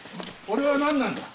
俺は何なんだ？